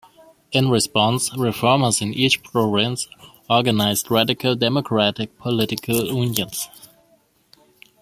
In response, Reformers in each province organized radical democratic political unions.